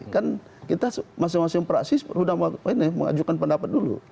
kan kita masing masing praksi sudah mengajukan pendapat dulu